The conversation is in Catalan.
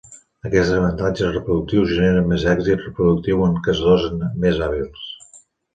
Aquests avantatges reproductius generen més èxit reproductiu en caçadors més hàbils.